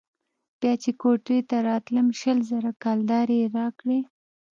بيا چې كوټې ته راتلم شل زره كلدارې يې راکړې.